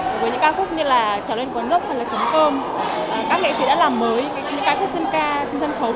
với những ca khúc như chẻo lên quan sốc hay trống cơm các nghệ sĩ đã làm mới những ca khúc dân ca trên sân khấu